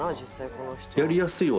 やりやすいは。